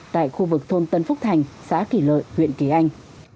tại khu vực thôn tân phúc thành xã kỳ lợi huyện kỳ anh